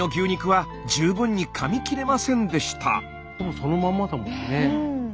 そのまんまだもんね。